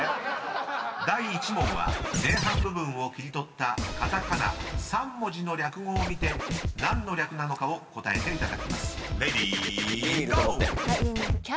［第１問は前半部分を切り取ったカタカナ３文字の略語を見て何の略なのかを答えていただきます］